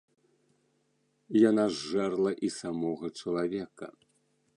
Яна зжэрла і самога чалавека.